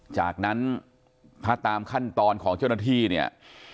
จากนั้นถ้าตามขั้นตอนของเจ้าหน้าที่เนี่ย